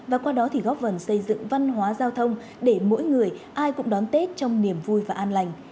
và qua đó thì góp phần xây dựng văn hóa giao thông để mỗi người ai cũng đón tết trong niềm vui và an lành